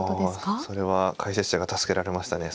それは解説者が助けられましたね。